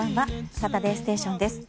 「サタデーステーション」です。